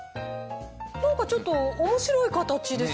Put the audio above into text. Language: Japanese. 何かちょっと面白い形ですね。